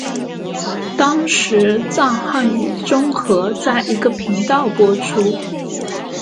当时藏汉语综合在一个频道播出。